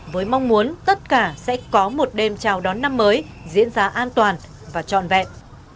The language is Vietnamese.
với mong muốn tất cả sẽ có một đêm chào đón năm mới diễn ra an toàn và trọn vẹn